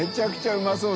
うまそう。